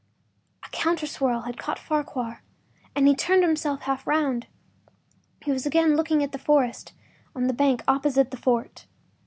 A counter swirl had caught Farquhar and turned him half round; he was again looking at the forest on the bank opposite the fort.